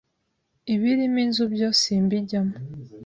ibirimo inzu byo simbijyamo ,